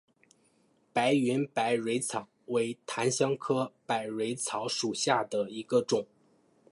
白云百蕊草为檀香科百蕊草属下的一个种。